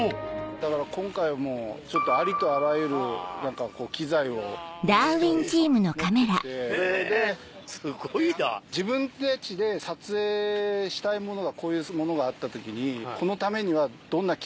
・だから今回はもうありとあらゆる機材をいろいろ持ってきて・自分たちで撮影したいものがこういうものがあった時にこのためには。